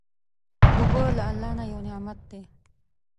اوبه له الله نه یو نعمت دی.